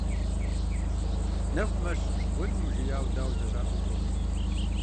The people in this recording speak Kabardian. Нэху мэщ, уэри умыжеяуэ дауэ лэжьакӀуэ укӀуэну?